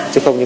chứ không như